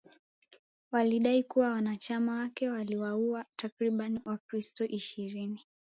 Walidai kuwa wanachama wake waliwauwa takribani wakristo ishirini